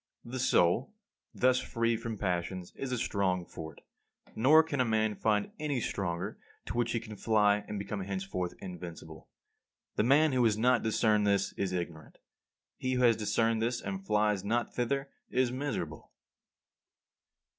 The soul, thus free from passions, is a strong fort; nor can a man find any stronger to which he can fly and become henceforth invincible. The man who has not discerned this is ignorant. He who has discerned and flies not thither is miserable.